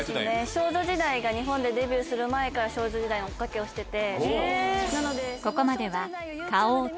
少女時代が日本でデビューする前から少女時代の追っかけをしてて。